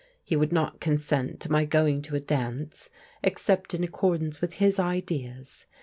He would not consent to my going to a dance, except in ac cordance with his ideas.